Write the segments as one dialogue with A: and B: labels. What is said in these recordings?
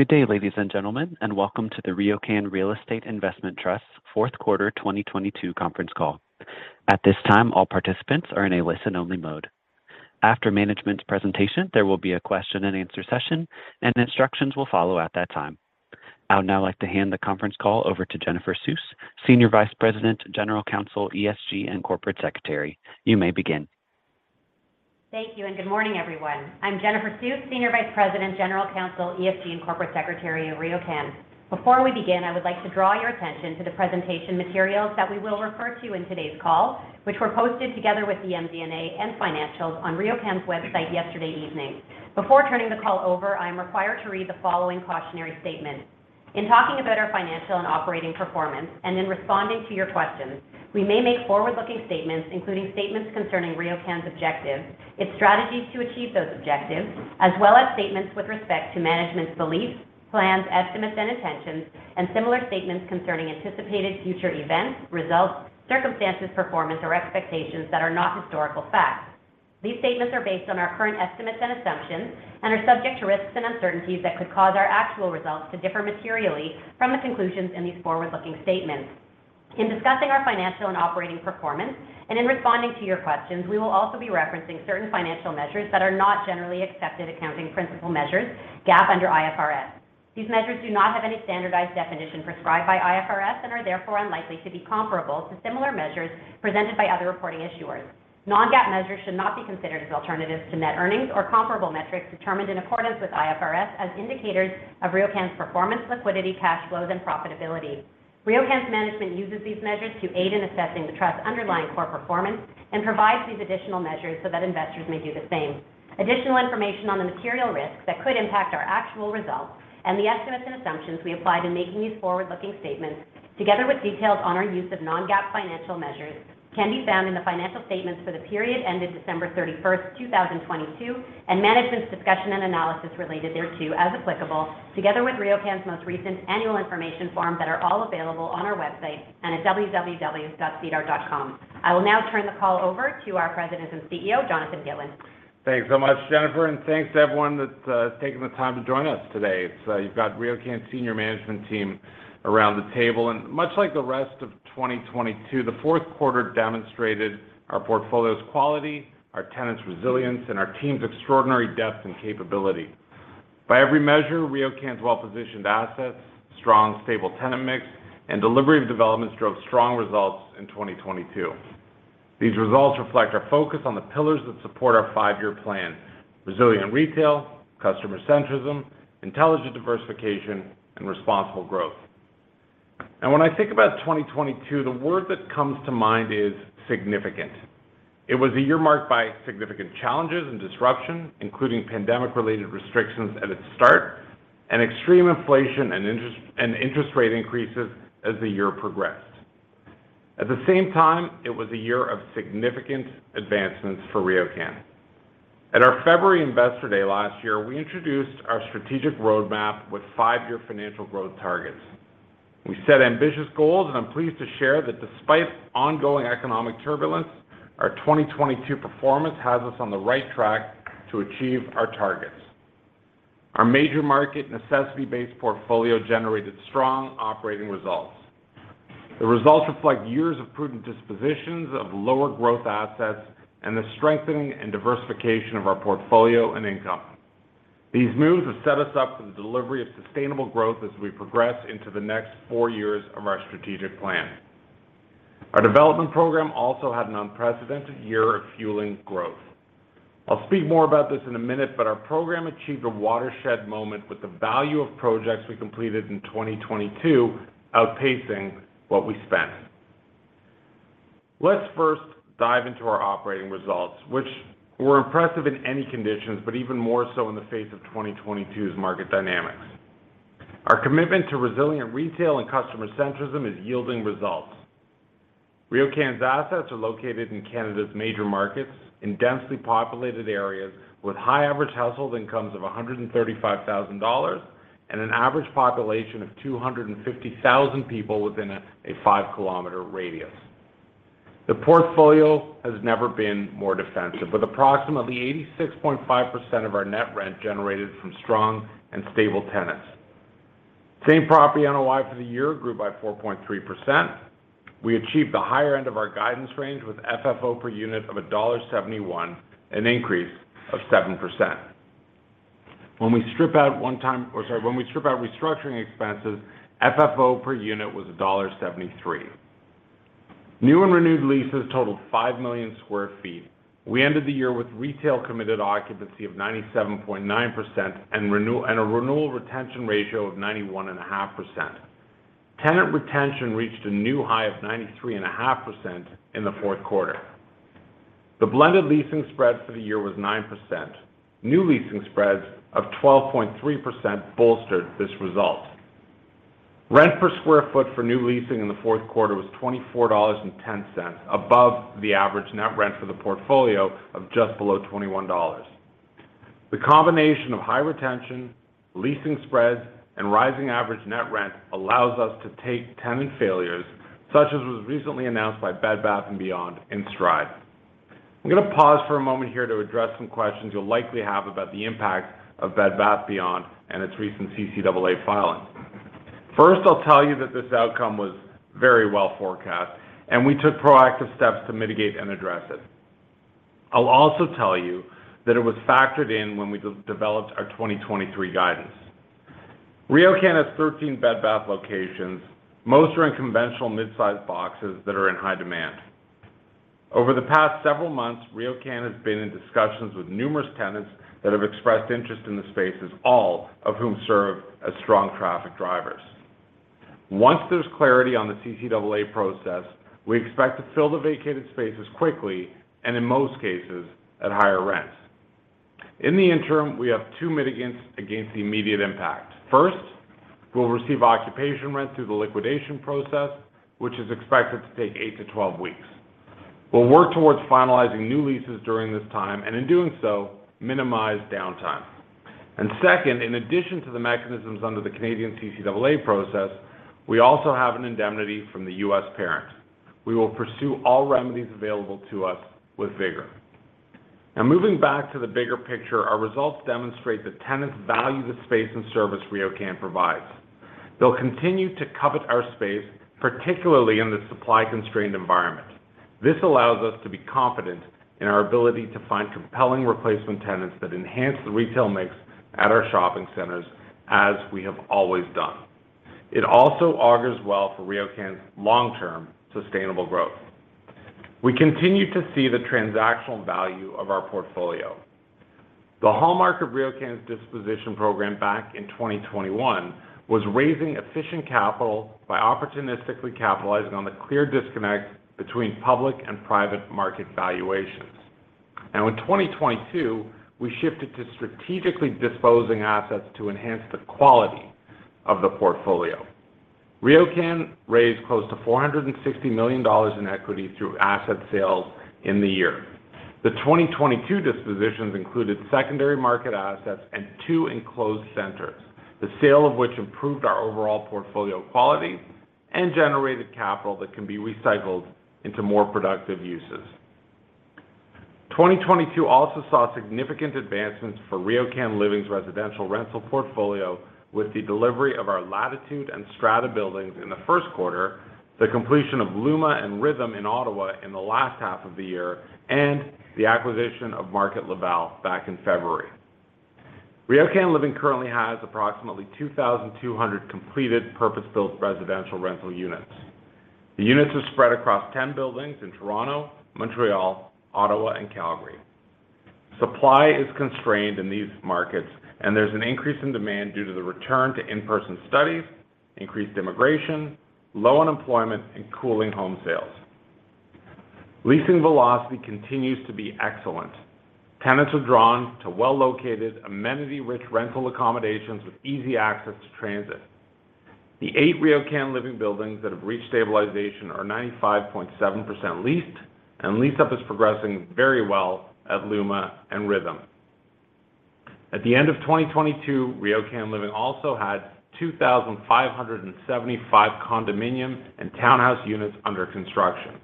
A: Good day, ladies and gentlemen, and welcome to the RioCan Real Estate Investment Trust fourth quarter 2022 conference call. At this time, all participants are in a listen-only mode. After management's presentation, there will be a question and answer session, and instructions will follow at that time. I would now like to hand the conference call over to Jennifer Suess, Senior Vice President, General Counsel, ESG, and Corporate Secretary. You may begin.
B: Thank you. Good morning, everyone. I'm Jennifer Suess, Senior Vice President, General Counsel, ESG, and Corporate Secretary of RioCan. Before we begin, I would like to draw your attention to the presentation materials that we will refer to in today's call, which were posted together with the MD&A and financials on RioCan's website yesterday evening. Before turning the call over, I am required to read the following cautionary statement. In talking about our financial and operating performance, and in responding to your questions, we may make forward-looking statements, including statements concerning RioCan's objectives, its strategies to achieve those objectives, as well as statements with respect to management's beliefs, plans, estimates, and intentions, and similar statements concerning anticipated future events, results, circumstances, performance, or expectations that are not historical facts. These statements are based on our current estimates and assumptions and are subject to risks and uncertainties that could cause our actual results to differ materially from the conclusions in these forward-looking statements. In discussing our financial and operating performance, and in responding to your questions, we will also be referencing certain financial measures that are not generally accepted accounting principle measures, GAAP under IFRS. These measures do not have any standardized definition prescribed by IFRS and are therefore unlikely to be comparable to similar measures presented by other reporting issuers. Non-GAAP measures should not be considered as alternatives to net earnings or comparable metrics determined in accordance with IFRS as indicators of RioCan's performance, liquidity, cash flows, and profitability. RioCan's management uses these measures to aid in assessing the Trust's underlying core performance and provides these additional measures so that investors may do the same. Additional information on the material risks that could impact our actual results and the estimates and assumptions we applied in making these forward-looking statements, together with details on our use of non-GAAP financial measures, can be found in the financial statements for the period ended December 31, 2022, and management's discussion and analysis related thereto as applicable, together with RioCan's most recent annual information forms that are all available on our website and at www.SEDAR. I will now turn the call over to our President and CEO, Jonathan Gitlin.
C: Thanks so much, Jennifer, and thanks to everyone that's taken the time to join us today. It's, you've got RioCan senior management team around the table, and much like the rest of 2022, the fourth quarter demonstrated our portfolio's quality, our tenants' resilience, and our team's extraordinary depth and capability. By every measure, RioCan's well-positioned assets, strong, stable tenant mix, and delivery of developments drove strong results in 2022. These results reflect our focus on the pillars that support our five-year plan: resilient retail, customer centrism, intelligent diversification, and responsible growth. When I think about 2022, the word that comes to mind is significant. It was a year marked by significant challenges and disruption, including pandemic-related restrictions at its start, and extreme inflation and interest rate increases as the year progressed. At the same time, it was a year of significant advancements for RioCan. At our February Investor Day last year, we introduced our strategic roadmap with 5-year financial growth targets. We set ambitious goals. I'm pleased to share that despite ongoing economic turbulence, our 2022 performance has us on the right track to achieve our targets. Our major market necessity-based portfolio generated strong operating results. The results reflect years of prudent dispositions of lower growth assets and the strengthening and diversification of our portfolio and income. These moves have set us up for the delivery of sustainable growth as we progress into the next 4 years of our strategic plan. Our development program also had an unprecedented year of fueling growth. I'll speak more about this in a minute. Our program achieved a watershed moment with the value of projects we completed in 2022 outpacing what we spent. Let's first dive into our operating results, which were impressive in any conditions, but even more so in the face of 2022's market dynamics. Our commitment to resilient retail and customer centrism is yielding results. RioCan's assets are located in Canada's major markets in densely populated areas with high average household incomes of 135,000 dollars and an average population of 250,000 people within a 5-kilometer radius. The portfolio has never been more defensive, with approximately 86.5% of our net rent generated from strong and stable tenants. Same-Property NOI for the year grew by 4.3%. We achieved the higher end of our guidance range with FFO per unit of dollar 1.71, an increase of 7%. When we strip out or sorry, restructuring expenses, FFO per unit was dollar 1.73. New and renewed leases totaled 5 million sq ft. We ended the year with retail-committed occupancy of 97.9% and a renewal retention ratio of 91.5%. Tenant retention reached a new high of 93.5% in the fourth quarter. The blended leasing spread for the year was 9%. New leasing spreads of 12.3% bolstered this result. Rent per square foot for new leasing in the fourth quarter was 24.10 dollars, above the average net rent for the portfolio of just below 21 dollars. The combination of high retention, leasing spreads, and rising average net rent allows us to take tenant failures, such as was recently announced by Bed Bath & Beyond, in stride. I'm going to pause for a moment here to address some questions you'll likely have about the impact of Bed Bath & Beyond and its recent CCAA filing. I'll tell you that this outcome was very well forecast, and we took proactive steps to mitigate and address it. I'll also tell you that it was factored in when we developed our 2023 guidance. RioCan has 13 Bed Bath locations. Most are in conventional mid-size boxes that are in high demand. Over the past several months, RioCan has been in discussions with numerous tenants that have expressed interest in the spaces, all of whom serve as strong traffic drivers. Once there's clarity on the CCAA process, we expect to fill the vacated spaces quickly and in most cases, at higher rents. In the interim, we have two mitigants against the immediate impact. First, we'll receive occupation rent through the liquidation process, which is expected to take 8 to 12 weeks. We'll work towards finalizing new leases during this time, and in doing so, minimize downtime. Second, in addition to the mechanisms under the Canadian CCAA process, we also have an indemnity from the U.S. parent. We will pursue all remedies available to us with vigor. Moving back to the bigger picture, our results demonstrate that tenants value the space and service RioCan provides. They'll continue to covet our space, particularly in this supply-constrained environment. This allows us to be confident in our ability to find compelling replacement tenants that enhance the retail mix at our shopping centers as we have always done. It also augurs well for RioCan's long-term sustainable growth. We continue to see the transactional value of our portfolio. The hallmark of RioCan's disposition program back in 2021 was raising efficient capital by opportunistically capitalizing on the clear disconnect between public and private market valuations. In 2022, we shifted to strategically disposing assets to enhance the quality of the portfolio. RioCan raised close to 460 million dollars in equity through asset sales in the year. The 2022 dispositions included secondary market assets and two enclosed centers, the sale of which improved our overall portfolio quality and generated capital that can be recycled into more productive uses. 2022 also saw significant advancements for RioCan Living's residential rental portfolio with the delivery of our Latitude and Strada buildings in the first quarter, the completion of Luma and Rhythm in Ottawa in the last half of the year, and the acquisition of Market Laval back in February. RioCan Living currently has approximately 2,200 completed purpose-built residential rental units. The units are spread across 10 buildings in Toronto, Montreal, Ottawa, and Calgary. Supply is constrained in these markets, there's an increase in demand due to the return to in-person studies, increased immigration, low unemployment, and cooling home sales. Leasing velocity continues to be excellent. Tenants are drawn to well-located, amenity-rich rental accommodations with easy access to transit. The 8 RioCan Living buildings that have reached stabilization are 95.7% leased. Lease-up is progressing very well at Luma and Rhythm. At the end of 2022, RioCan Living also had 2,575 condominium and townhouse units under construction.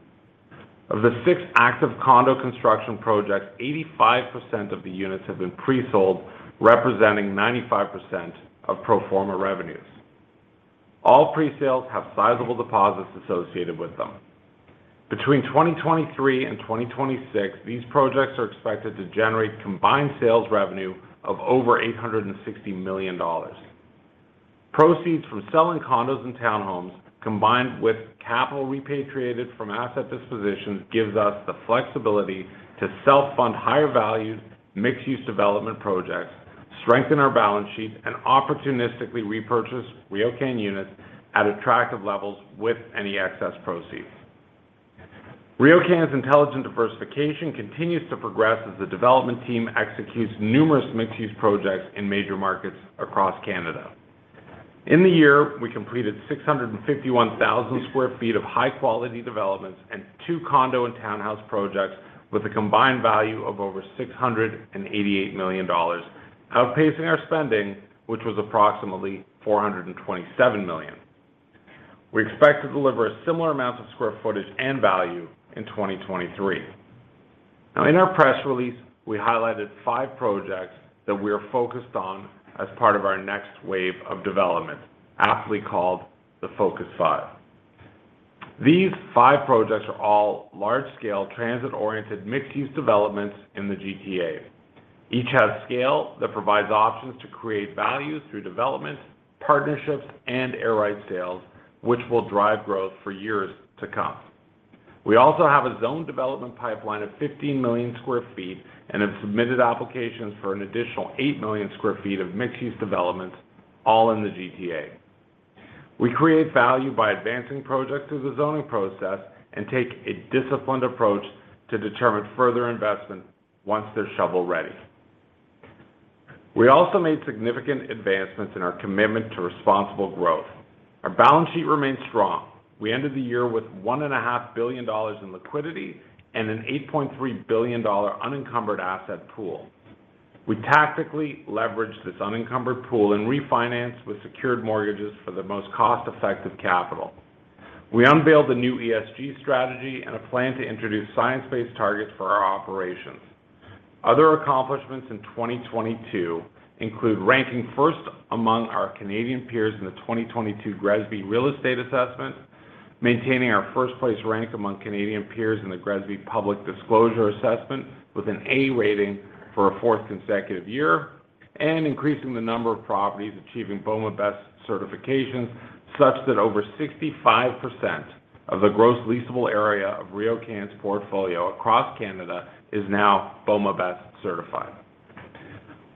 C: Of the 6 active condo construction projects, 85% of the units have been pre-sold, representing 95% of pro forma revenues. All pre-sales have sizable deposits associated with them. Between 2023 and 2026, these projects are expected to generate combined sales revenue of over 860 million dollars. Proceeds from selling condos and townhomes, combined with capital repatriated from asset dispositions, gives us the flexibility to self-fund higher-value, mixed-use development projects, strengthen our balance sheet, and opportunistically repurchase RioCan units at attractive levels with any excess proceeds. RioCan's intelligent diversification continues to progress as the development team executes numerous mixed-use projects in major markets across Canada. In the year, we completed 651,000 sq ft of high-quality developments and 2 condo and townhouse projects with a combined value of over 688 million dollars, outpacing our spending, which was approximately 427 million. We expect to deliver a similar amount of square footage and value in 2023. Now in our press release, we highlighted 5 projects that we are focused on as part of our next wave of development, aptly called the Focus Five. These 5 projects are all large-scale, transit-oriented, mixed-use developments in the GTA. Each has scale that provides options to create value through development, partnerships, and air rights sales, which will drive growth for years to come. We also have a zone development pipeline of 15 million sq ft and have submitted applications for an additional 8 million sq ft of mixed-use developments, all in the GTA. We create value by advancing projects through the zoning process and take a disciplined approach to determine further investment once they're shovel-ready. We also made significant advancements in our commitment to responsible growth. Our balance sheet remains strong. We ended the year with one and a half billion dollars in liquidity and a 8.3 billion dollar unencumbered asset pool. We tactically leveraged this unencumbered pool and refinanced with secured mortgages for the most cost-effective capital. We unveiled a new ESG strategy and a plan to introduce science-based targets for our operations. Other accomplishments in 2022 include ranking 1st among our Canadian peers in the 2022 GRESB Real Estate Assessment, maintaining our 1st-place rank among Canadian peers in the GRESB Public Disclosure Assessment with an A rating for a 4th consecutive year, and increasing the number of properties achieving BOMA BEST certification such that over 65% of the gross leasable area of RioCan's portfolio across Canada is now BOMA BEST certified.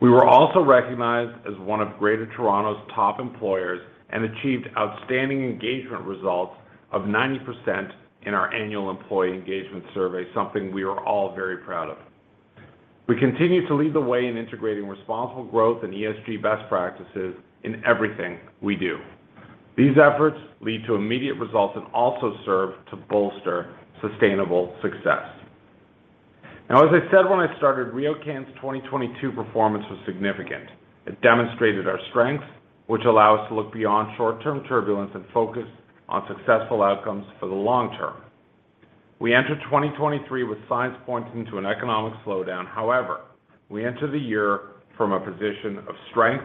C: We were also recognized as one of Greater Toronto's top employers and achieved outstanding engagement results of 90% in our annual employee engagement survey, something we are all very proud of. We continue to lead the way in integrating responsible growth and ESG best practices in everything we do. These efforts lead to immediate results and also serve to bolster sustainable success. Now, as I said when I started, RioCan's 2022 performance was significant. It demonstrated our strengths, which allow us to look beyond short-term turbulence and focus on successful outcomes for the long term. We enter 2023 with signs pointing to an economic slowdown. However, we enter the year from a position of strength,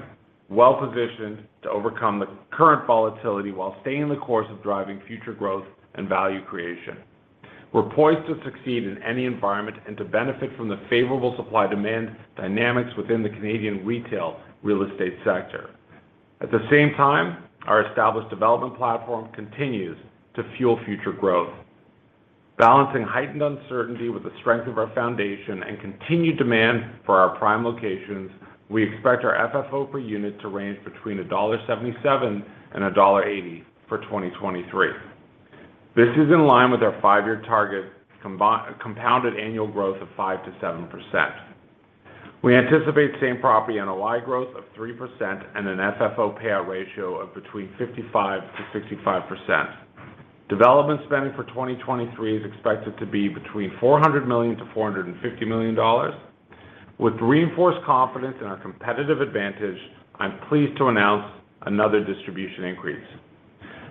C: well-positioned to overcome the current volatility while staying the course of driving future growth and value creation. We're poised to succeed in any environment and to benefit from the favorable supply-demand dynamics within the Canadian retail real estate sector. At the same time, our established development platform continues to fuel future growth. Balancing heightened uncertainty with the strength of our foundation and continued demand for our prime locations, we expect our FFO per unit to range between dollar 1.77 and dollar 1.80 for 2023. This is in line with our five-year target compounded annual growth of 5%-7%. We anticipate Same-Property NOI growth of 3% and an FFO payout ratio of between 55%-65%. Development spending for 2023 is expected to be between 400 million-450 million dollars. With reinforced confidence in our competitive advantage, I'm pleased to announce another distribution increase.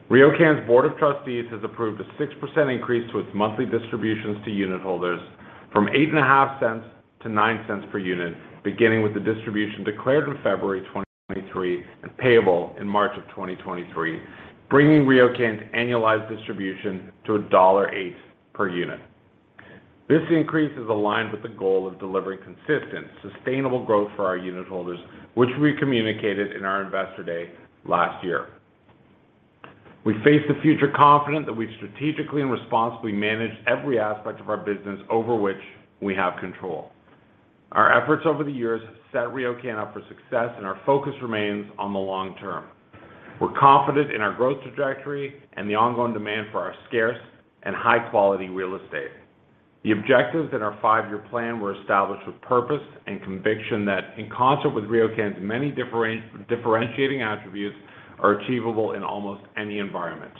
C: RioCan's Board of Trustees has approved a 6% increase to its monthly distributions to unitholders from 0.085 to 0.09 per unit, beginning with the distribution declared in February 2023 and payable in March of 2023, bringing RioCan's annualized distribution to CAD 1.08 per unit. This increase is aligned with the goal of delivering consistent, sustainable growth for our unitholders, which we communicated in our Investor Day last year. We face the future confident that we've strategically and responsibly managed every aspect of our business over which we have control. Our efforts over the years have set RioCan up for success, and our focus remains on the long term. We're confident in our growth trajectory and the ongoing demand for our scarce and high-quality real estate. The objectives in our five-year plan were established with purpose and conviction that, in concert with RioCan's many differentiating attributes, are achievable in almost any environment.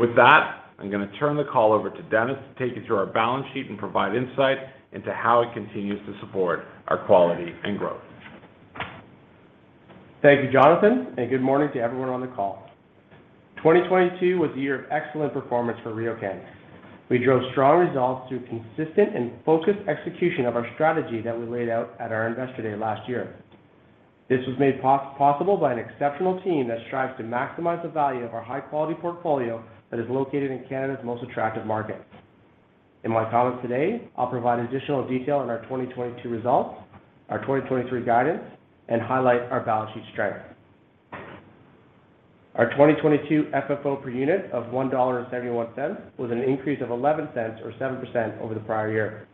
C: With that, I'm going to turn the call over to Dennis to take you through our balance sheet and provide insight into how it continues to support our quality and growth.
D: Thank you, Jonathan. Good morning to everyone on the call. 2022 was a year of excellent performance for RioCan. We drove strong results through consistent and focused execution of our strategy that we laid out at our Investor Day last year. This was made possible by an exceptional team that strives to maximize the value of our high-quality portfolio that is located in Canada's most attractive markets. In my comments today, I'll provide additional detail on our 2022 results, our 2023 guidance, and highlight our balance sheet strength. Our 2022 FFO per unit of 1.71 dollar was an increase of 0.11 or 7% over the prior year.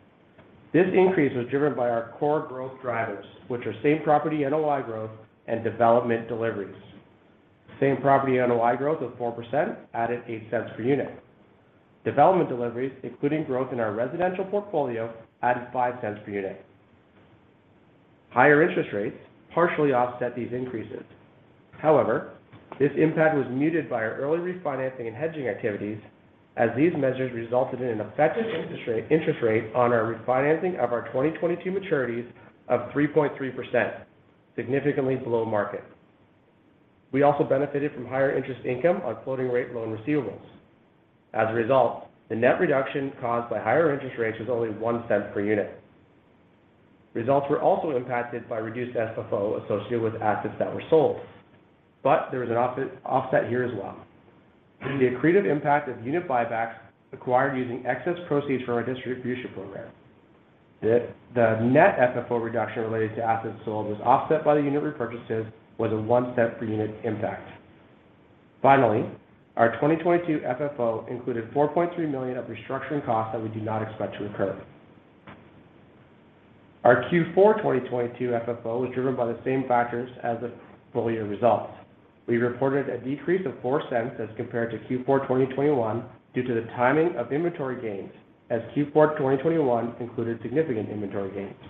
D: This increase was driven by our core growth drivers, which are Same-Property NOI growth and development deliveries. Same-Property NOI growth of 4% added 0.08 per unit. Development deliveries, including growth in our residential portfolio, added 0.05 per unit. Higher interest rates partially offset these increases. This impact was muted by our early refinancing and hedging activities, as these measures resulted in an effective interest rate on our refinancing of our 2022 maturities of 3.3%, significantly below market. We also benefited from higher interest income on floating rate loan receivables. As a result, the net reduction caused by higher interest rates was only 0.01 per unit. Results were also impacted by reduced FFO associated with assets that were sold. There was an offset here as well. The accretive impact of unit buybacks acquired using excess proceeds from our distribution program. The net FFO reduction related to assets sold was offset by the unit repurchases was a 0.01 per unit impact. Our 2022 FFO included 4.3 million of restructuring costs that we do not expect to recur. Our Q4 2022 FFO was driven by the same factors as the full-year results. We reported a decrease of 0.04 as compared to Q4 2021 due to the timing of inventory gains, as Q4 2021 included significant inventory gains.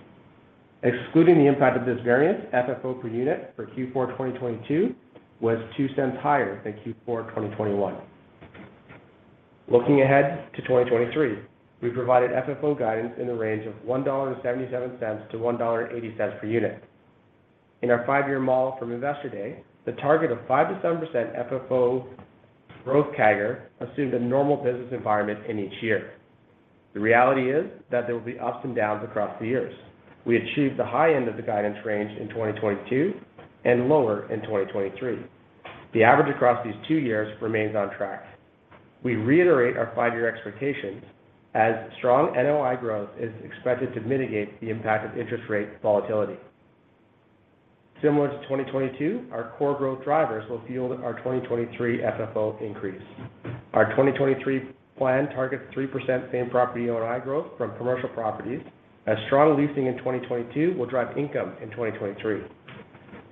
D: Excluding the impact of this variance, FFO per unit for Q4 2022 was 0.02 higher than Q4 2021. Looking ahead to 2023, we provided FFO guidance in the range of 1.77-1.80 dollar per unit. In our five-year model from Investor Day, the target of 5%-7% FFO growth CAGR assumed a normal business environment in each year. The reality is that there will be ups and downs across the years. We achieved the high end of the guidance range in 2022 and lower in 2023. The average across these two years remains on track. We reiterate our five-year expectations as strong NOI growth is expected to mitigate the impact of interest rate volatility. Similar to 2022, our core growth drivers will fuel our 2023 FFO increase. Our 2023 plan targets 3% Same-Property NOI growth from commercial properties as strong leasing in 2022 will drive income in 2023.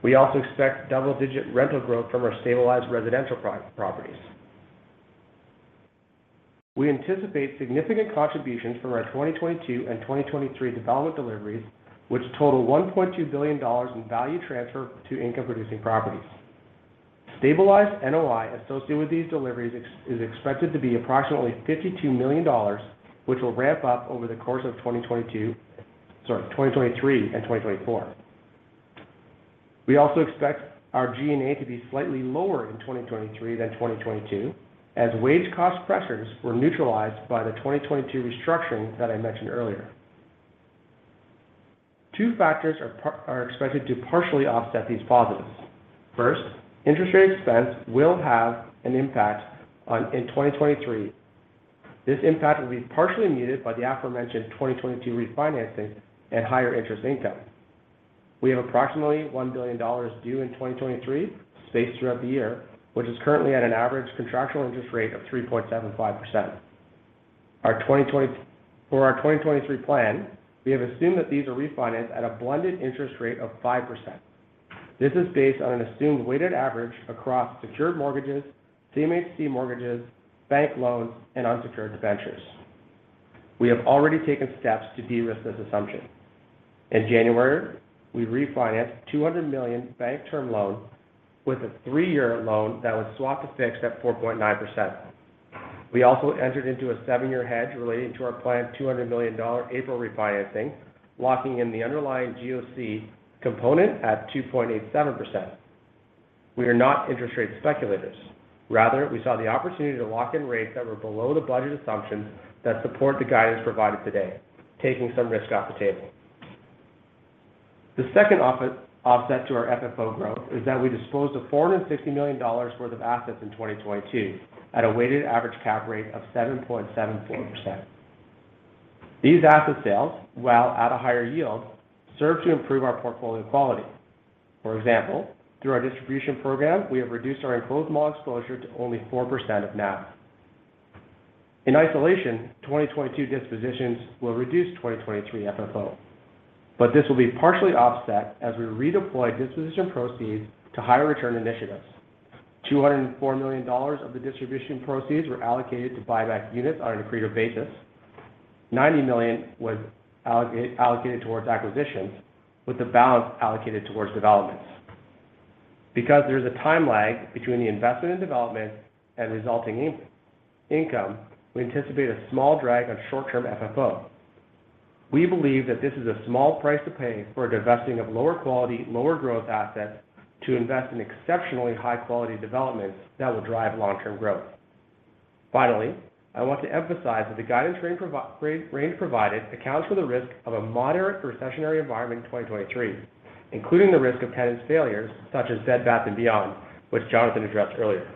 D: We also expect double-digit rental growth from our stabilized residential pro-properties. We anticipate significant contributions from our 2022 and 2023 development deliveries, which total 1.2 billion dollars in value transfer to income-producing properties. Stabilized NOI associated with these deliveries is expected to be approximately 52 million dollars, which will ramp up over the course of 2023 and 2024. We also expect our G&A to be slightly lower in 2023 than 2022, as wage cost pressures were neutralized by the 2022 restructuring that I mentioned earlier. Two factors are expected to partially offset these positives. First, interest rate expense will have an impact in 2023. This impact will be partially muted by the aforementioned 2022 refinancing and higher interest income. We have approximately 1 billion dollars due in 2023, spaced throughout the year, which is currently at an average contractual interest rate of 3.75%. For our 2023 plan, we have assumed that these are refinanced at a blended interest rate of 5%. This is based on an assumed weighted average across secured mortgages, CMHC mortgages, bank loans, and unsecured debentures. We have already taken steps to de-risk this assumption. In January, we refinanced 200 million bank term loans with a three-year loan that was swapped to fixed at 4.9%. We also entered into a seven-year hedge relating to our planned 200 million dollar April refinancing, locking in the underlying GOC component at 2.87%. We are not interest rate speculators. Rather, we saw the opportunity to lock in rates that were below the budget assumptions that support the guidance provided today, taking some risk off the table. The second offset to our FFO growth is that we disposed of 460 million dollars worth of assets in 2022 at a weighted average cap rate of 7.74%. These asset sales, while at a higher yield, serve to improve our portfolio quality. For example, through our distribution program, we have reduced our enclosed mall exposure to only 4% of NAV. In isolation, 2022 dispositions will reduce 2023 FFO. This will be partially offset as we redeploy disposition proceeds to higher return initiatives. 204 million dollars of the distribution proceeds were allocated to buy back units on an accretive basis. 90 million was allocated towards acquisitions, with the balance allocated towards developments. There is a time lag between the investment and development and resulting income, we anticipate a small drag on short-term FFO. We believe that this is a small price to pay for divesting of lower quality, lower growth assets to invest in exceptionally high quality developments that will drive long-term growth. Finally, I want to emphasize that the guidance range provided accounts for the risk of a moderate recessionary environment in 2023, including the risk of tenant failures such as Bed Bath & Beyond, which Jonathan addressed earlier.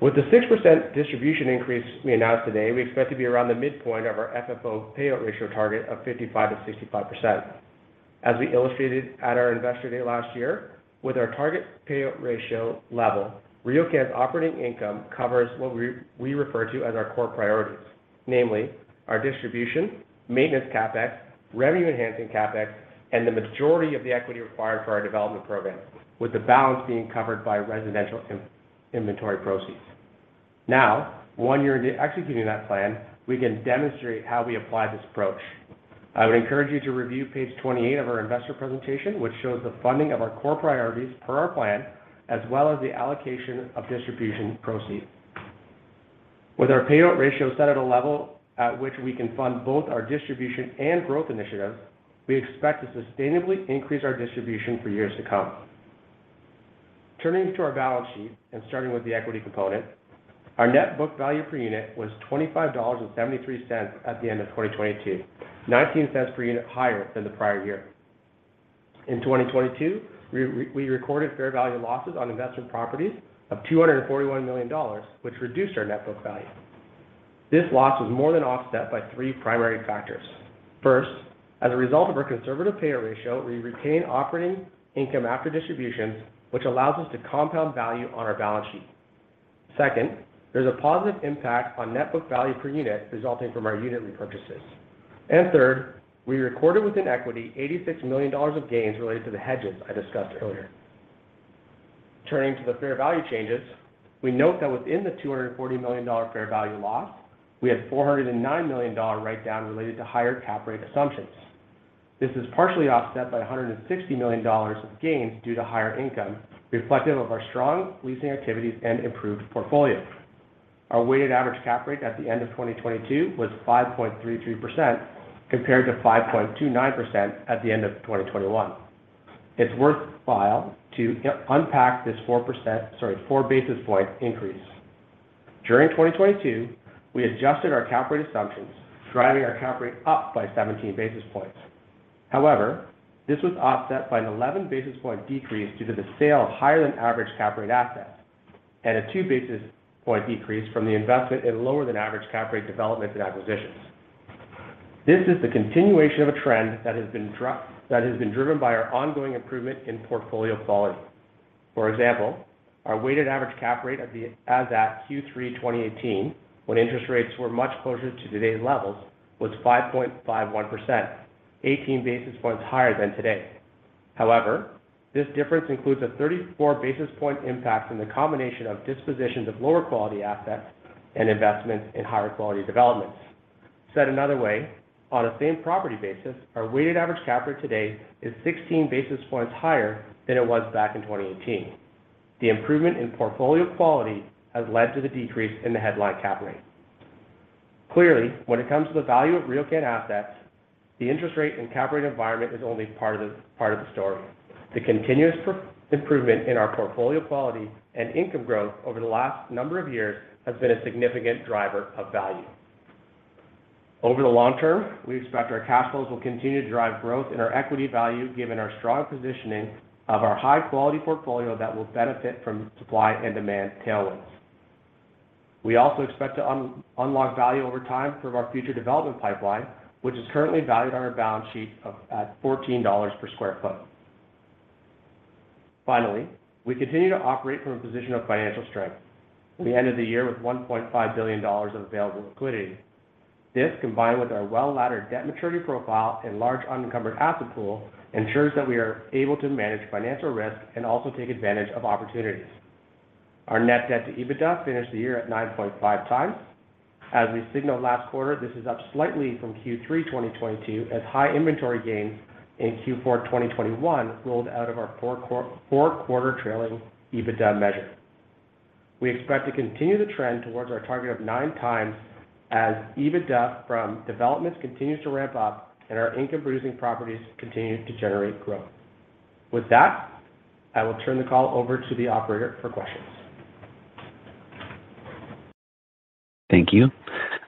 D: With the 6% distribution increase we announced today, we expect to be around the midpoint of our FFO payout ratio target of 55%-65%. As we illustrated at our Investor Day last year, with our target payout ratio level, RioCan's operating income covers what we refer to as our core priorities. Namely, our distribution, maintenance CapEx, revenue enhancing CapEx, and the majority of the equity required for our development program, with the balance being covered by residential in-inventory proceeds. Now, one year into executing that plan, we can demonstrate how we apply this approach. I would encourage you to review page 28 of our investor presentation, which shows the funding of our core priorities per our plan, as well as the allocation of distribution proceeds. With our payout ratio set at a level at which we can fund both our distribution and growth initiatives, we expect to sustainably increase our distribution for years to come. Turning to our balance sheet and starting with the equity component, our net book value per unit was 25.73 dollars at the end of 2022, 0.19 per unit higher than the prior year. In 2022, we recorded fair value losses on investment properties of 241 million dollars, which reduced our net book value. This loss was more than offset by three primary factors. First, as a result of our conservative payout ratio, we retain operating income after distributions, which allows us to compound value on our balance sheet. Second, there's a positive impact on net book value per unit resulting from our unit repurchases. Third, we recorded within equity 86 million dollars of gains related to the hedges I discussed earlier. Turning to the fair value changes, we note that within the 240 million dollar fair value loss, we had 409 million dollar write-down related to higher cap rate assumptions. This is partially offset by 160 million dollars of gains due to higher income reflective of our strong leasing activities and improved portfolio. Our weighted average cap rate at the end of 2022 was 5.32% compared to 5.29% at the end of 2021. It's worthwhile to unpack this sorry, 4 basis point increase. During 2022, we adjusted our cap rate assumptions, driving our cap rate up by 17 basis points. However, this was offset by an 11 basis point decrease due to the sale of higher than average cap rate assets and a 2 basis point decrease from the investment in lower than average cap rate developments and acquisitions. This is the continuation of a trend that has been driven by our ongoing improvement in portfolio quality. For example, our weighted average cap rate as at Q3 2018, when interest rates were much closer to today's levels, was 5.51%, 18 basis points higher than today. However, this difference includes a 34 basis point impact from the combination of dispositions of lower quality assets and investments in higher quality developments. Said another way, on a same property basis, our weighted average cap rate today is 16 basis points higher than it was back in 2018. The improvement in portfolio quality has led to the decrease in the headline cap rate. Clearly, when it comes to the value of RioCan assets, the interest rate and cap rate environment is only part of the story. The continuous improvement in our portfolio quality and income growth over the last number of years has been a significant driver of value. Over the long term, we expect our cash flows will continue to drive growth in our equity value given our strong positioning of our high-quality portfolio that will benefit from supply and demand tailwinds. We also expect to unlock value over time from our future development pipeline, which is currently valued on our balance sheet at 14 dollars per square foot. We continue to operate from a position of financial strength. We ended the year with 1.5 billion dollars of available liquidity. This, combined with our well-laddered debt maturity profile and large unencumbered asset pool, ensures that we are able to manage financial risk and also take advantage of opportunities. Our Net Debt to EBITDA finished the year at 9.5 times. As we signaled last quarter, this is up slightly from Q3 2022 as high inventory gains in Q4 2021 rolled out of our four-quarter trailing EBITDA measure. We expect to continue the trend towards our target of 9 times as EBITDA from developments continues to ramp up and our income-producing properties continue to generate growth. With that, I will turn the call over to the operator for questions.
A: Thank you.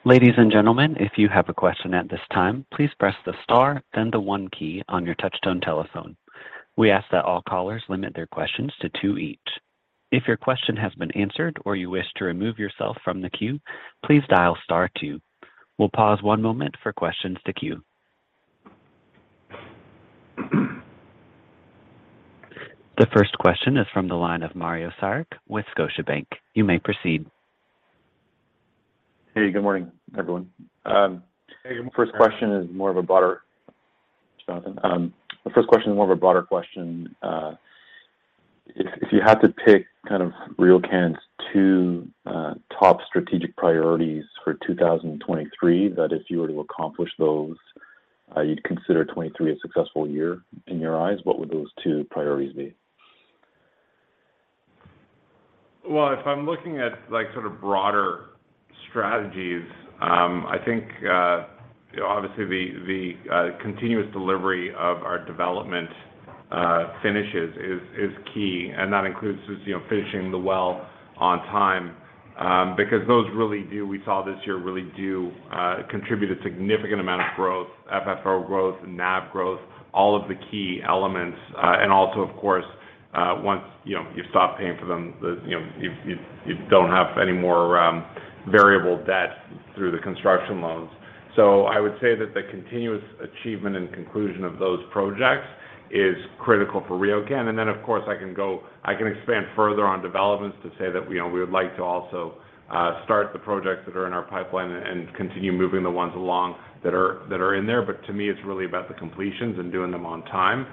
A: Ladies and gentlemen, if you have a question at this time, please press the star, then the one key on your touchtone telephone. We ask that all callers limit their questions to two each. If your question has been answered or you wish to remove yourself from the queue, please dial star two. We'll pause one moment for questions to queue. The first question is from the line of Mario Saric with Scotiabank. You may proceed.
E: Hey, good morning, everyone.
C: Hey, good morning.
E: Jonathan. The first question is more of a broader question. If you had to pick kind of RioCan's two top strategic priorities for 2023, that if you were to accomplish those, you'd consider 23 a successful year in your eyes, what would those two priorities be?
C: If I'm looking at like sort of broader strategies, I think obviously the continuous delivery of our development finishes is key, and that includes just, you know, finishing The Well on time, because those really do, we saw this year, really do contribute a significant amount of growth, FFO growth, NAV growth, all of the key elements. Also, of course, once, you know, you stop paying for them, you, you don't have any more variable debt through the construction loans. I would say that the continuous achievement and conclusion of those projects is critical for RioCan. Of course, I can expand further on developments to say that, you know, we would like to also start the projects that are in our pipeline and continue moving the ones along that are in there. To me, it's really about the completions and doing them on time.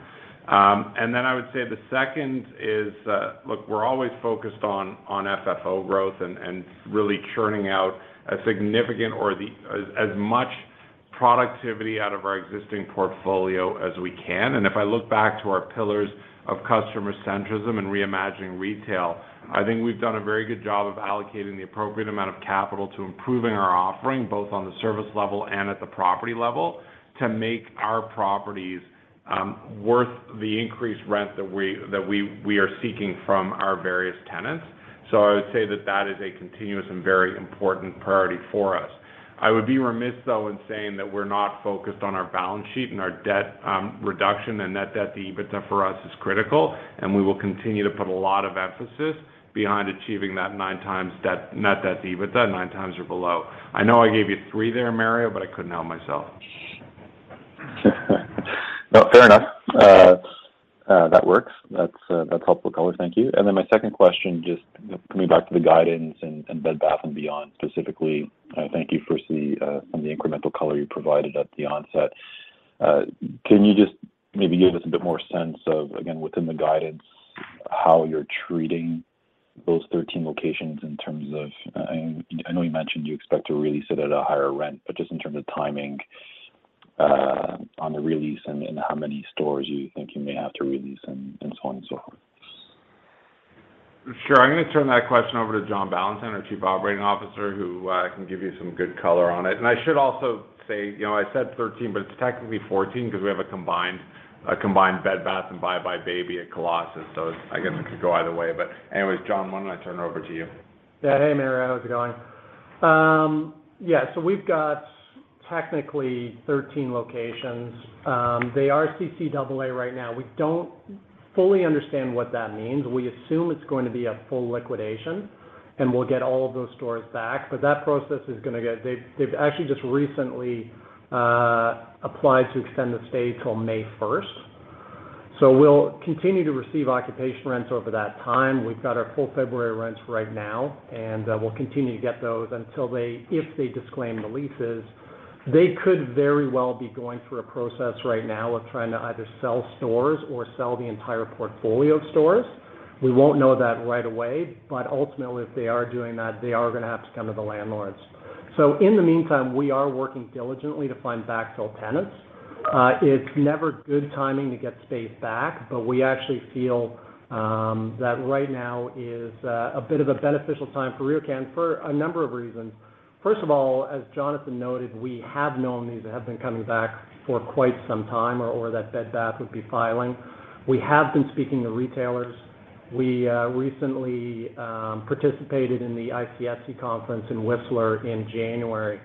C: I would say the second is that, look, we're always focused on FFO growth and really churning out a significant or as much productivity out of our existing portfolio as we can. If I look back to our pillars of customer centrism and reimagining retail, I think we've done a very good job of allocating the appropriate amount of capital to improving our offering, both on the service level and at the property level, to make our properties worth the increased rent that we are seeking from our various tenants. I would say that that is a continuous and very important priority for us. I would be remiss, though, in saying that we're not focused on our balance sheet and our debt reduction. The Net Debt to EBITDA for us is critical, and we will continue to put a lot of emphasis behind achieving that 9 times Net Debt to EBITDA, 9 times or below. I know I gave you three there, Mario, but I couldn't help myself.
E: No, fair enough. That works. That's, that's helpful color. Thank you. My second question, just coming back to the guidance and Bed Bath & Beyond specifically. Thank you for the, some of the incremental color you provided at the onset. Can you just maybe give us a bit more sense of, again, within the guidance? How you're treating those 13 locations in terms of, I know you mentioned you expect to release it at a higher rent, but just in terms of timing, on the release and then how many stores you think you may have to release and so on and so forth?
C: Sure. I'm gonna turn that question over to John Ballantyne, our Chief Operating Officer, who can give you some good color on it. I should also say, you know, I said 13, but it's technically 14 because we have a combined Bed Bath and buybuy BABY at Colossus. I guess it could go either way. Anyways, John, why don't I turn it over to you?
F: Yeah. Hey, Mario. How's it going? Yeah. We've got technically 13 locations. They are CCAA right now. We don't fully understand what that means. We assume it's going to be a full liquidation, and we'll get all of those stores back. That process is gonna get. They've actually just recently applied to extend the stay till May 1st. We'll continue to receive occupation rents over that time. We've got our full February rents right now, and we'll continue to get those until if they disclaim the leases. They could very well be going through a process right now of trying to either sell stores or sell the entire portfolio of stores. We won't know that right away, but ultimately, if they are doing that, they are gonna have to come to the landlords. In the meantime, we are working diligently to find backfill tenants. It's never good timing to get space back, but we actually feel that right now is a bit of a beneficial time for RioCan for a number of reasons. First of all, as Jonathan noted, we have known these have been coming back for quite some time or that Bed Bath would be filing. We have been speaking to retailers. We recently participated in the ICSC conference in Whistler in January.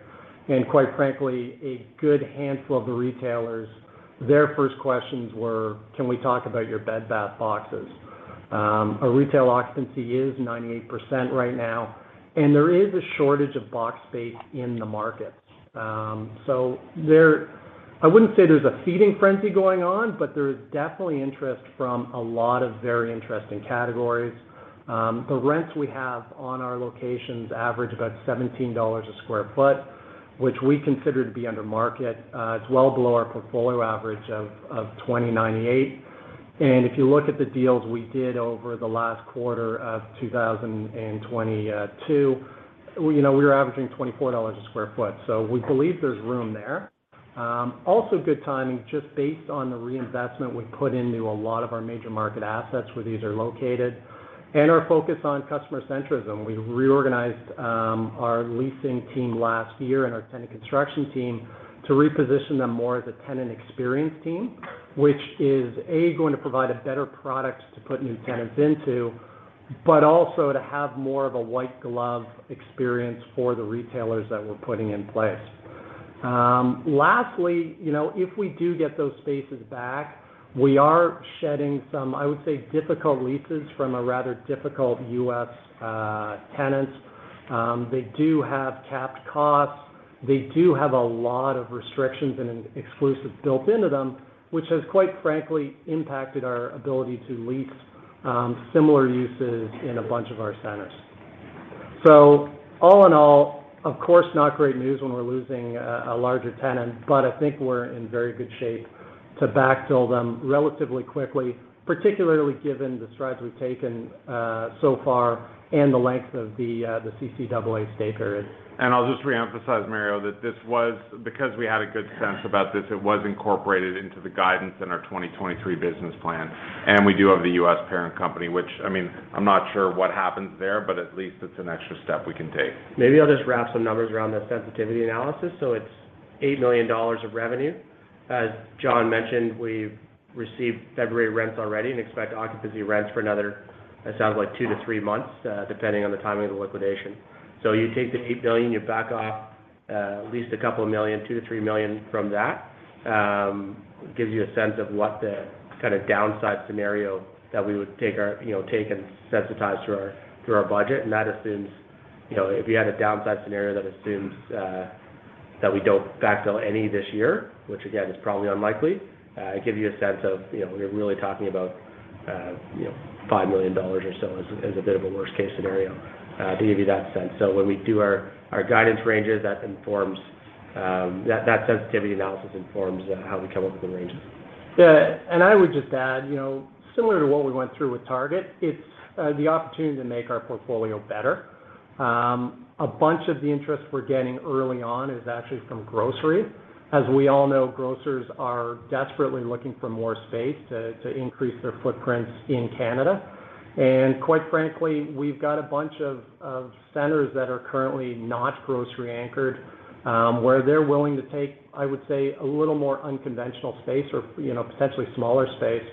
F: Quite frankly, a good handful of the retailers, their first questions were, "Can we talk about your Bed Bath boxes?" Our retail occupancy is 98% right now, and there is a shortage of box space in the market. I wouldn't say there's a feeding frenzy going on, but there's definitely interest from a lot of very interesting categories. The rents we have on our locations average about 17 dollars a sq ft, which we consider to be under market. It's well below our portfolio average of 20.98. If you look at the deals we did over the last quarter of 2022, you know, we were averaging 24 dollars a sq ft. We believe there's room there. Also good timing just based on the reinvestment we've put into a lot of our major market assets where these are located and our focus on customer centrism. We reorganized our leasing team last year and our tenant construction team to reposition them more as a tenant experience team, which is, A, going to provide a better product to put new tenants into, but also to have more of a white glove experience for the retailers that we're putting in place. Lastly, you know, if we do get those spaces back, we are shedding some, I would say, difficult leases from a rather difficult U.S. tenants. They do have capped costs. They do have a lot of restrictions and an exclusive built into them, which has quite frankly impacted our ability to lease similar uses in a bunch of our centers. All in all, of course, not great news when we're losing a larger tenant, but I think we're in very good shape to backfill them relatively quickly, particularly given the strides we've taken so far and the length of the CCAA stay period.
C: I'll just reemphasize, Mario, that this was because we had a good sense about this, it was incorporated into the guidance in our 2023 business plan. We do have the U.S. parent company, which, I mean, I'm not sure what happens there, but at least it's an extra step we can take.
D: Maybe I'll just wrap some numbers around the sensitivity analysis. It's 8 million dollars of revenue. As John mentioned, we've received February rents already and expect occupancy rents for another, it sounds like two to three months, depending on the timing of the liquidation. You take the 8 million, you back off, at least a couple million, 2 million-3 million from that. It gives you a sense of what the kind of downside scenario that we would you know, take and sensitize through our, through our budget. That assumes, you know, if you had a downside scenario that assumes that we don't backfill any this year, which again is probably unlikely, it gives you a sense of, you know, we're really talking about, you know, 5 million dollars or so as a bit of a worst case scenario, to give you that sense. When we do our guidance ranges, that informs, that sensitivity analysis informs how we come up with the ranges.
F: I would just add, you know, similar to what we went through with Target, it's the opportunity to make our portfolio better. A bunch of the interest we're getting early on is actually from grocery. As we all know, grocers are desperately looking for more space to increase their footprints in Canada. Quite frankly, we've got a bunch of centers that are currently not grocery anchored, where they're willing to take, I would say, a little more unconventional space or, you know, potentially smaller space.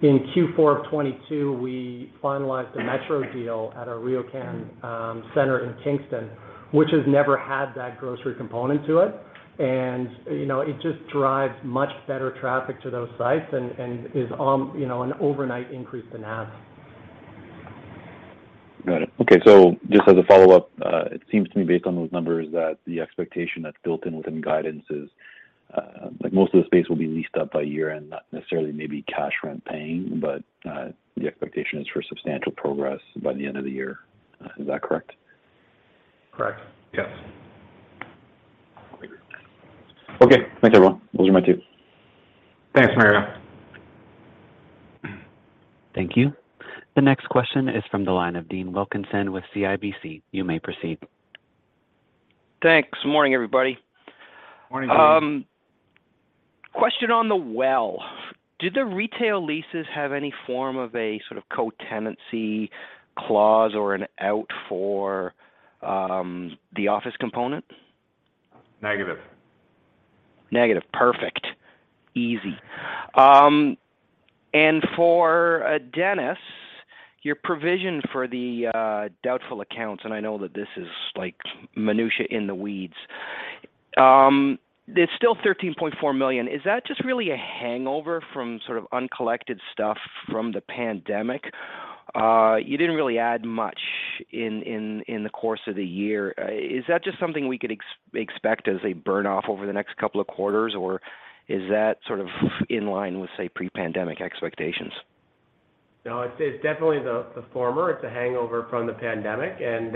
F: In Q4 of 2022, we finalized a Metro deal at our RioCan center in Kingston, which has never had that grocery component to it. You know, it just drives much better traffic to those sites and is, you know, an overnight increase in assets.
E: Got it. Okay. Just as a follow-up, it seems to me based on those numbers that the expectation that's built in within guidance is like most of the space will be leased up by year-end, not necessarily maybe cash rent paying, but the expectation is for substantial progress by the end of the year. Is that correct?
C: Correct. Yes.
E: Okay. Thanks, everyone. Those are my two.
C: Thanks, Mario.
A: Thank you. The next question is from the line of Dean Wilkinson with CIBC. You may proceed.
G: Thanks. Morning, everybody.
C: Morning.
G: Question on The Well. Do the retail leases have any form of a sort of co-tenancy clause or an out for the office component?
C: Negative.
G: Negative. Perfect. Easy. For Dennis, your provision for the doubtful accounts, and I know that this is like minutiae in the weeds. There's still 13.4 million. Is that just really a hangover from sort of uncollected stuff from the pandemic? You didn't really add much in the course of the year. Is that just something we could expect as a burn-off over the next couple of quarters, or is that sort of in line with, say, pre-pandemic expectations?
D: No, it's definitely the former. It's a hangover from the pandemic, and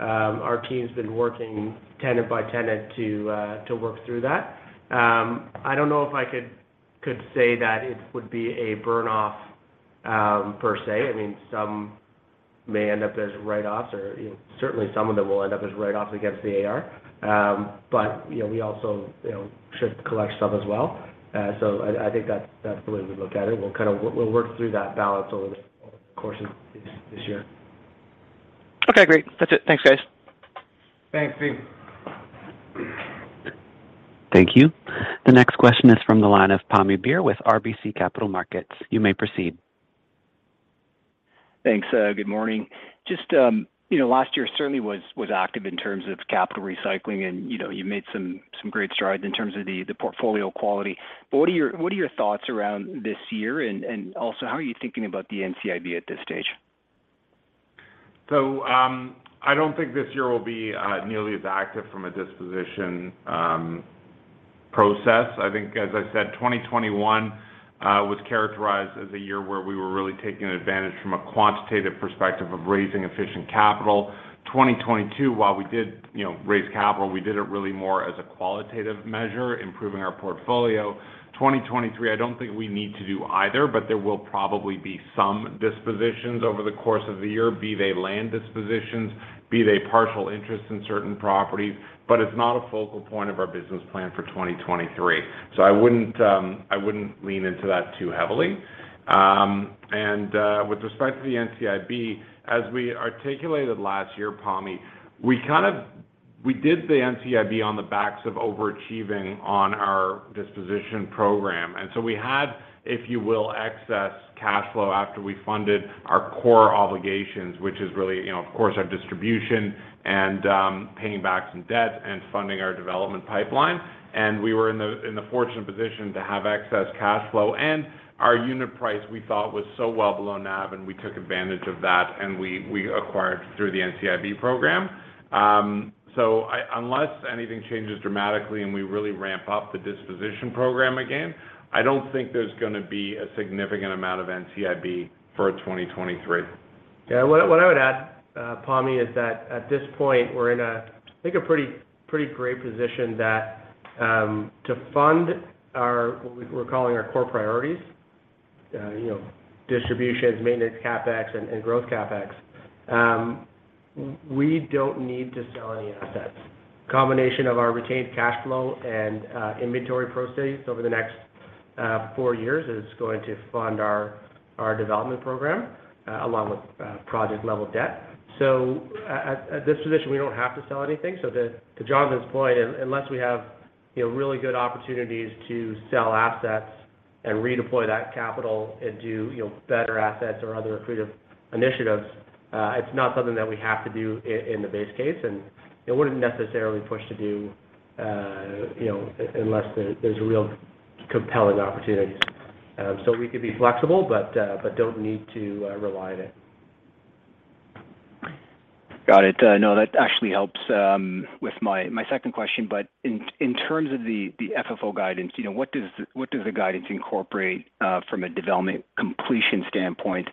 D: our team's been working tenant by tenant to work through that. I don't know if I could say that it would be a burn-off per se. I mean, some may end up as write-offs or certainly some of them will end up as write-offs against the AR. But you know, we also, you know, should collect stuff as well. So I think that's the way we look at it. We'll work through that balance over the course of this year.
G: Okay, great. That's it. Thanks, guys.
C: Thanks, Dean.
A: Thank you. The next question is from the line of Pammi Bir with RBC Capital Markets. You may proceed.
H: Thanks. Good morning. Just, you know, last year certainly was active in terms of capital recycling and, you know, you made some great strides in terms of the portfolio quality. What are your thoughts around this year and also how are you thinking about the NCIB at this stage?
C: I don't think this year will be nearly as active from a disposition process. I think, as I said, 2021 was characterized as a year where we were really taking advantage from a quantitative perspective of raising efficient capital. 2022, while we did, you know, raise capital, we did it really more as a qualitative measure, improving our portfolio. 2023, I don't think we need to do either, but there will probably be some dispositions over the course of the year, be they land dispositions, be they partial interest in certain properties. It's not a focal point of our business plan for 2023. I wouldn't lean into that too heavily. With respect to the NCIB, as we articulated last year, Pammi, we did the NCIB on the backs of overachieving on our disposition program. So we had, if you will, excess cash flow after we funded our core obligations, which is really, you know, of course our distribution and paying back some debt and funding our development pipeline. We were in the fortunate position to have excess cash flow. Our unit price we thought was so well below NAV, and we took advantage of that, and we acquired through the NCIB program. So unless anything changes dramatically and we really ramp up the disposition program again, I don't think there's gonna be a significant amount of NCIB for 2023.
D: Yeah. What I would add, Pammi, is that at this point we're in a, I think a pretty great position that to fund our, what we're calling our core priorities, you know, distributions, maintenance CapEx and growth CapEx. We don't need to sell any assets. Combination of our retained cash flow and inventory proceeds over the next four years is going to fund our development program along with project-level debt. At this position, we don't have to sell anything. To Jonathan's point, unless we have, you know, really good opportunities to sell assets and redeploy that capital into, you know, better assets or other accretive initiatives, it's not something that we have to do in the base case, and it wouldn't necessarily push to do, you know, unless there's a real compelling opportunity. We could be flexible, but don't need to rely on it.
H: Got it. No, that actually helps with my second question. In terms of the FFO guidance, you know, what does the guidance incorporate from a development completion standpoint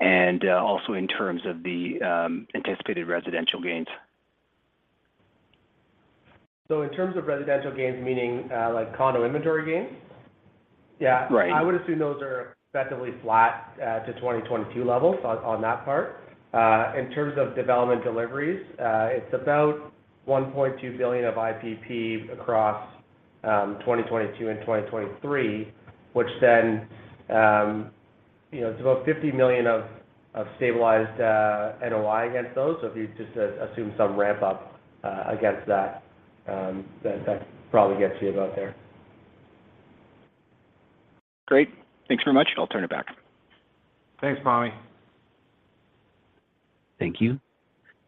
H: and also in terms of the anticipated residential gains?
D: In terms of residential gains, meaning, like condo inventory gains?
H: Yeah. Right.
D: I would assume those are effectively flat to 2022 levels on that part. In terms of development deliveries, it's about 1.2 billion of IPP across 2022 and 2023, which then, you know, it's about 50 million of stabilized NOI against those. If you just assume some ramp up against that probably gets you about there.
H: Great. Thanks very much. I'll turn it back.
C: Thanks, Pammi.
A: Thank you.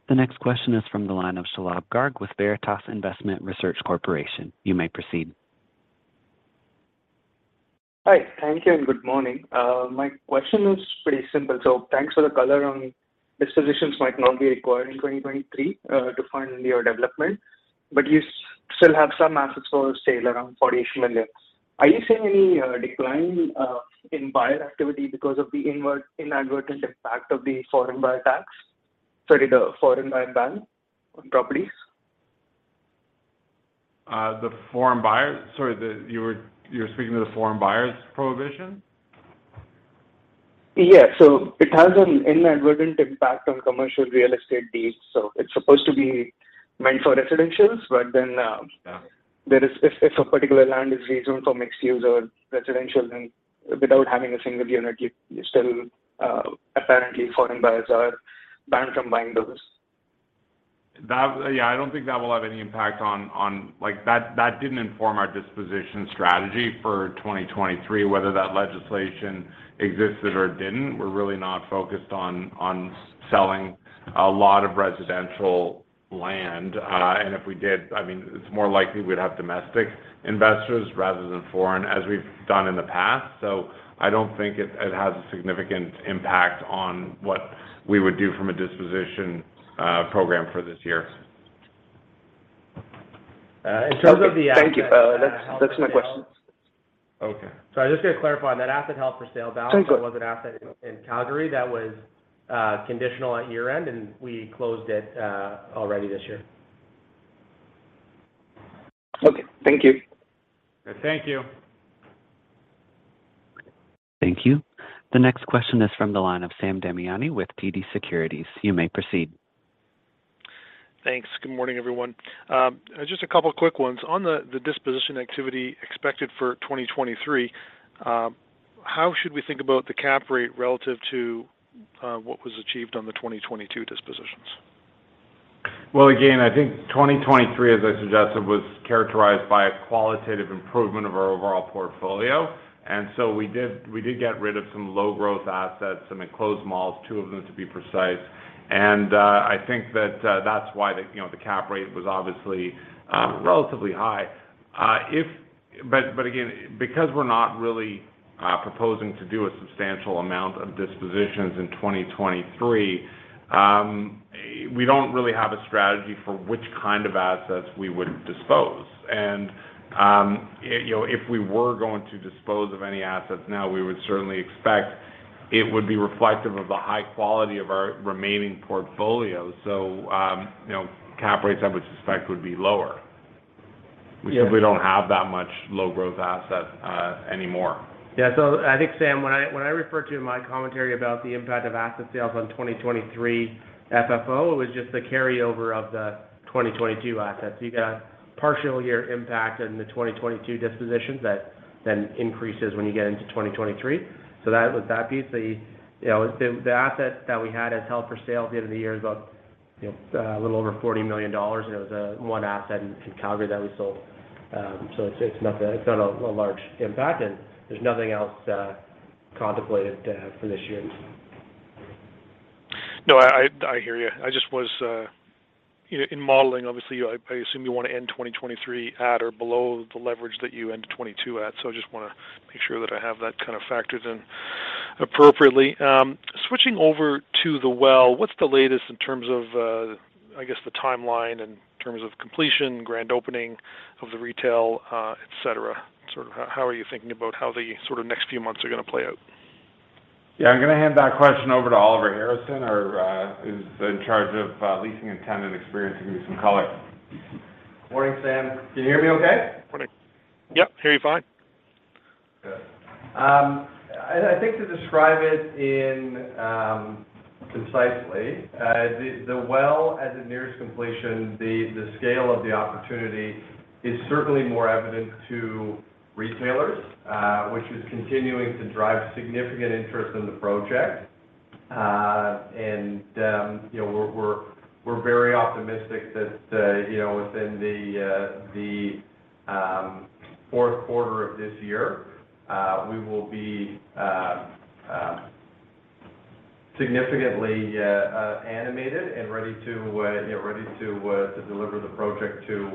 A: The next question is from the line of Shalabh Garg with Veritas Investment Research Corporation. You may proceed.
I: Hi. Thank you and good morning. My question is pretty simple. Thanks for the color on dispositions might not be required in 2023 to fund your development, but you still have some assets for sale around 48 million. Are you seeing any decline in buyer activity because of the inadvertent impact of the foreign buyer tax? Sorry, the foreign buy ban on properties.
C: Sorry, you were speaking to the foreign buyers prohibition?
I: Yeah. It has an inadvertent impact on commercial real estate deeds. It's supposed to be meant for residentials, if a particular land is rezoned for mixed use or residential, then without having a single unit, you still apparently foreign buyers are banned from buying those.
C: Yeah, I don't think that will have any impact on. That didn't inform our disposition strategy for 2023, whether that legislation existed or didn't. We're really not focused on selling a lot of residential land. If we did, I mean, it's more likely we'd have domestic investors rather than foreign, as we've done in the past. I don't think it has a significant impact on what we would do from a disposition program for this year.
D: In terms of the asset.
C: Okay.
D: Sorry, I'm just gonna clarify. On that asset held for sale balance, there was an asset in Calgary that was conditional at year-end, and we closed it already this year.
I: Okay. Thank you.
C: Thank you.
A: Thank you. The next question is from the line of Sam Damiani with TD Securities. You may proceed.
J: Thanks. Good morning, everyone. Just a couple quick ones. On the disposition activity expected for 2023, how should we think about the cap rate relative to what was achieved on the 2022 dispositions?
C: Again, I think 2023, as I suggested, was characterized by a qualitative improvement of our overall portfolio. We did get rid of some low growth assets, some enclosed malls, two of them to be precise. I think that's why the, you know, the cap rate was obviously relatively high. Again, because we're not really proposing to do a substantial amount of dispositions in 2023, we don't really have a strategy for which kind of assets we would dispose. You know, if we were going to dispose of any assets now, we would certainly expect it would be reflective of the high quality of our remaining portfolio. You know, cap rates I would suspect would be lower. We simply don't have that much low growth asset anymore.
D: I think, Sam, when I refer to my commentary about the impact of asset sales on 2023 FFO, it was just the carryover of the 2022 assets. You got partial year impact in the 2022 dispositions that then increases when you get into 2023. That was that piece. The, you know, the assets that we had as held for sale at the end of the year is about, you know, a little over 40 million dollars, and it was 1 asset in Calgary that we sold. It's not a large impact, and there's nothing else contemplated for this year.
J: No, I hear you. I just was... In modeling, obviously, I assume you wanna end 2023 at or below the leverage that you ended 2022 at. I just wanna make sure that I have that kind of factored in appropriately. Switching over to The Well, what's the latest in terms of, I guess the timeline in terms of completion, grand opening of the retail, etc.? Sort of how are you thinking about how the sort of next few months are gonna play out?
C: Yeah. I'm gonna hand that question over to Oliver Harrison.. He's in charge of leasing and tenant experience. He can call it.
K: Morning, Sam. Can you hear me okay?
J: Morning. Yep, hear you fine.
K: Good. I think to describe it in concisely, The Well as it nears completion, the scale of the opportunity is certainly more evident to retailers, which is continuing to drive significant interest in the project. You know, we're very optimistic that, you know, within the fourth quarter of this year, we will be significantly animated and ready to, you know, ready to deliver the project to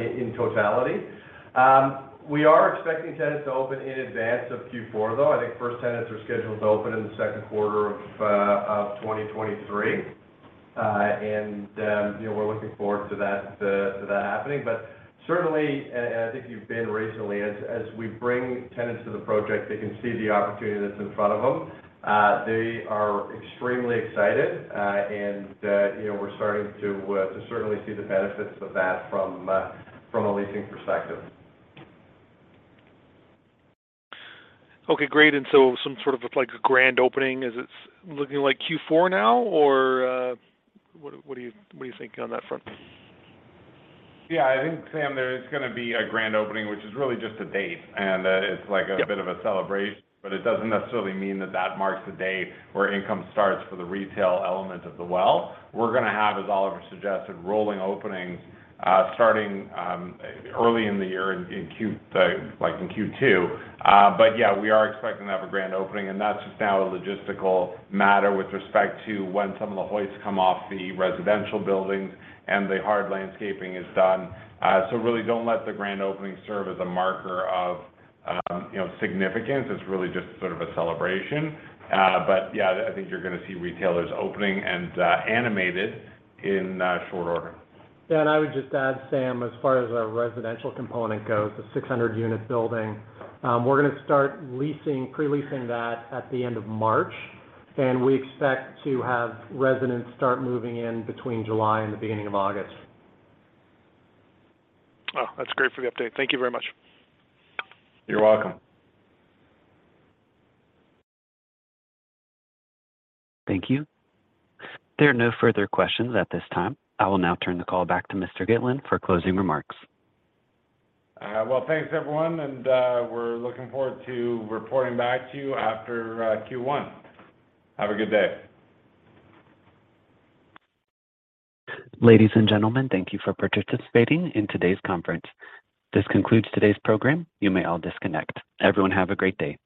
K: in totality. We are expecting tenants to open in advance of Q4, though. I think first tenants are scheduled to open in the second quarter of 2023. You know, we're looking forward to that happening. Certainly, and I think you've been recently, as we bring tenants to the project, they can see the opportunity that's in front of them. They are extremely excited. You know, we're starting to certainly see the benefits of that from a leasing perspective.
J: Okay, great. Some sort of like a grand opening, is it looking like Q4 now? What are you thinking on that front?
C: I think, Sam, there is gonna be a grand opening, which is really just a date, and it's like a bit of a celebration. It doesn't necessarily mean that that marks the date where income starts for the retail element of The Well. We're gonna have, as Oliver suggested, rolling openings, starting early in the year in Q2. Yeah, we are expecting to have a grand opening, and that's just now a logistical matter with respect to when some of the hoists come off the residential buildings and the hard landscaping is done. Really don't let the grand opening serve as a marker of, you know, significance. It's really just sort of a celebration. Yeah, I think you're gonna see retailers opening and animated in short order.
D: Yeah. I would just add, Sam, as far as our residential component goes, the 600 unit building, we're gonna start leasing, pre-leasing that at the end of March. We expect to have residents start moving in between July and the beginning of August.
J: Oh, that's great for the update. Thank you very much.
C: You're welcome.
A: Thank you. There are no further questions at this time. I will now turn the call back to Jonathan Gitlin for closing remarks.
C: Well, thanks, everyone, and we're looking forward to reporting back to you after Q1. Have a good day.
A: Ladies and gentlemen, thank you for participating in today's conference. This concludes today's program. You may all disconnect. Everyone, have a great day.